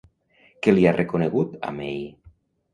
Què li ha reconegut a May?